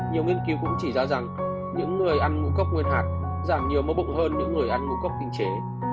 nhiều nghiên cứu cũng chỉ ra rằng những người ăn ngũ cốc nguyên hạt giảm nhiều mẫu bụng hơn những người ăn ngũ cốc tinh chế